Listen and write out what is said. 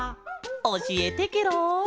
おしえてケロ！